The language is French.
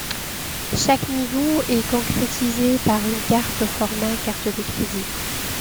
Chaque niveau est concrétisé par une carte au format carte de crédit.